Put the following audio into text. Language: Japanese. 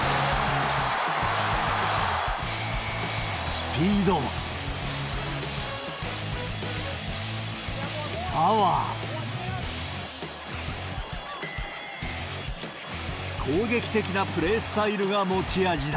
スピード、パワー、攻撃的なプレースタイルが持ち味だ。